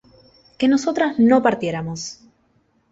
que nosotras no partiéramos